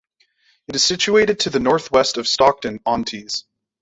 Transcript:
It is situated to the north-west of Stockton-on-Tees.